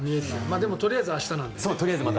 でもとりあえず明日なんだよね。